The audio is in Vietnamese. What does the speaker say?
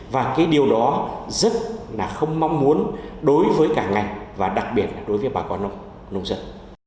và cái điều đó rất là không mong muốn đối với cả ngành và đặc biệt là đối với bà con nông dân